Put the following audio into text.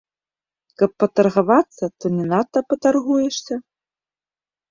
Каб патаргавацца, то не надта патаргуешся.